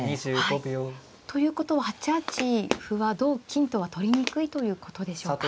２５秒。ということは８八歩は同金とは取りにくいということでしょうか。